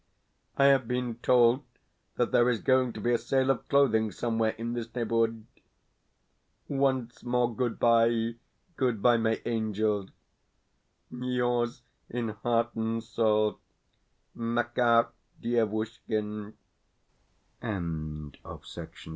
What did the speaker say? I have been told that there is going to be a sale of clothing somewhere in this neighbourhood. Once more goodbye, goodbye, my angel Yours in heart and soul, MAKAR DIEVUSHKIN. September 15th.